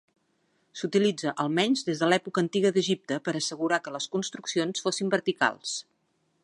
S’utilitza almenys des de l’època antiga d’Egipte per assegurar que les construccions fossin verticals.